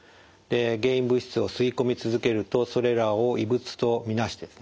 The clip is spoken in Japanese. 原因物質を吸い込み続けるとそれらを異物と見なしてですね